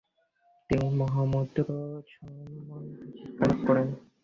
তিনি মহামুদ্রা সম্বন্ধে শিক্ষালাভ করেন।